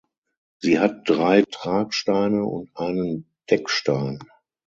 Sie hat drei Tragsteine und einen Deckstein.